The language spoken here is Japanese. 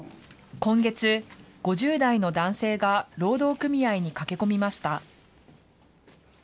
今月、５０代の男性が労働組合に駆け込みました。